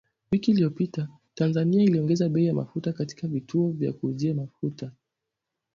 Wiki iliyopita, Tanzania iliongeza bei ya mafuta katika vituo vya kuuzia mafuta.